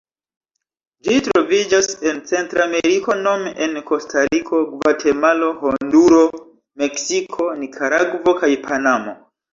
Ĝi troviĝas en Centrameriko nome en Kostariko, Gvatemalo, Honduro, Meksiko, Nikaragvo kaj Panamo.